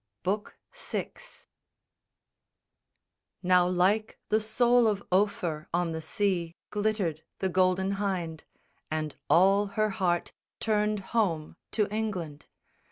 BOOK VI Now like the soul of Ophir on the sea Glittered the Golden Hynde, and all her heart Turned home to England.